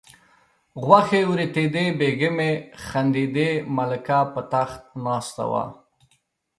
غوښې وریتېدې بیګمې خندېدې ملکه په تخت ناسته وه.